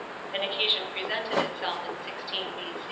An occasion presented itself in 16 B.